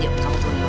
yuk kamu turun mama